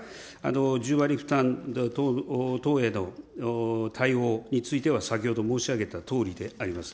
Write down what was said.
１０割負担等への対応については先ほど申し上げたとおりであります。